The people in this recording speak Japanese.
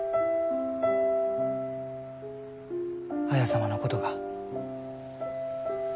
綾様のことが。